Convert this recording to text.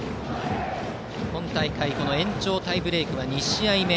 今大会延長タイブレークは２試合目。